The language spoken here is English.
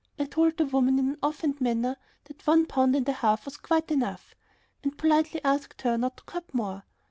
I told the woman in an offhand manner that one pound and a half was quite enough and politely asked her not to cut more.